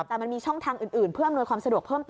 แต่มันมีช่องทางอื่นเพื่ออำนวยความสะดวกเพิ่มเติม